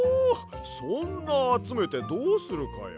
そんなあつめてどうするかや？